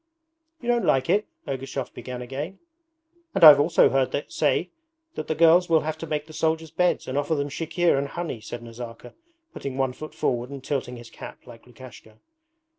'You don't like it?' Ergushov began again. 'And I've also heard say that the girls will have to make the soldiers' beds and offer them chikhir and honey,' said Nazarka, putting one foot forward and tilting his cap like Lukashka.